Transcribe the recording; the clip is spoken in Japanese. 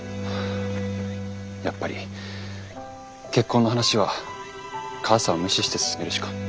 やっぱり結婚の話は母さんを無視して進めるしか。